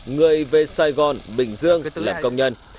người về sài gòn bình dương làm công nhân